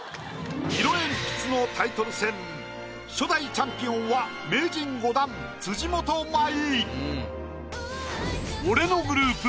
色鉛筆のタイトル戦初代チャンピオンは名人５段辻元舞。